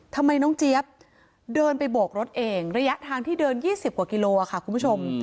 ทำไมน้องเจี๊ยบเดินไปโบกรถเองระยะทางที่เดิน๒๐กว่ากิโลค่ะคุณผู้ชม